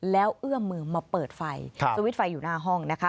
แล้วเอื้อมมือมาเปิดไฟสวิตช์ไฟอยู่หน้าห้องนะคะ